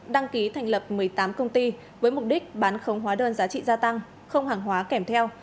đăng ký thành lập một mươi tám công ty với mục đích bán không hóa đơn giá trị gia tăng không hàng hóa kèm theo